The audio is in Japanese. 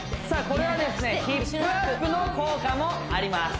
これはですねヒップアップの効果もあります